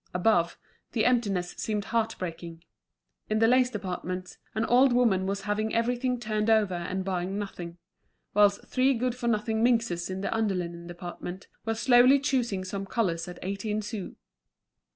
Above, the emptiness seemed heart breaking; in the lace department, an old woman was having everything turned over and buying nothing; whilst three good for nothing minxes in the under linen department were slowly choosing some collars at eighteen sous.